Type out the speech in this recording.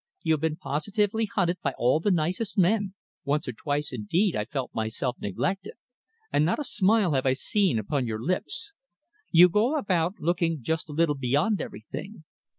You have been positively hunted by all the nicest men once or twice, indeed, I felt myself neglected and not a smile have I seen upon your lips. You go about, looking just a little beyond everything.